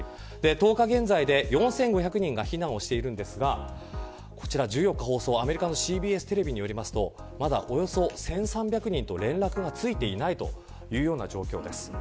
１０日現在で４５００人が避難をしているんですが１４日放送アメリカのＣＢＳテレビによりますとおよそ１３００人とまだ連絡がついていないというような状況です。